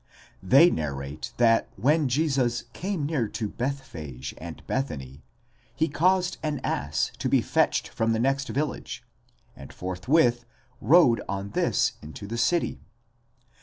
They narrate that when Jesus came near to Bethphage and Bethany, ὡς ἤγγισεν cis Βηθφαγῆ καὶ Βηθανίαν, he caused an ass to be fetched from the next village, and forthwith rode on this into the city.